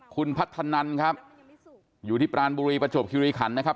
คุณพัฒนันครับอยู่ที่ปรานบุรีประจวบคิริขันนะครับ